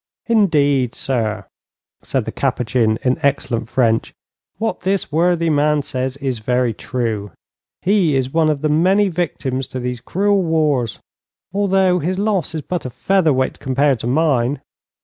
'Indeed, sir,' said the Capuchin, in excellent French, 'what this worthy man says is very true. He is one of the many victims to these cruel wars, although his loss is but a feather weight compared to mine.